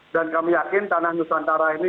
dan kami yakin tanah nusantara ini